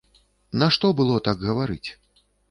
Нашто было так гаварыць?